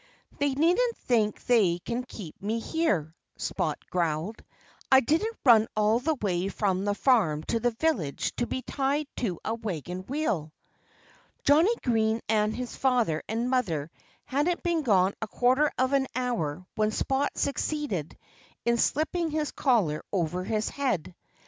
"They needn't think they can keep me here," Spot growled. "I didn't run all the way from the farm to the village to be tied to a wagon wheel." Johnnie Green and his father and mother hadn't been gone a quarter of an hour when Spot succeeded in slipping his collar over his head.